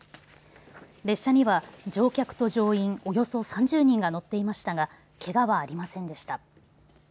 列車には乗客と乗員、およそ３０人が乗っていましたがけがはありませんでした。